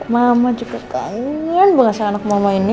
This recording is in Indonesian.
mama juga kangen berasa anak mama ini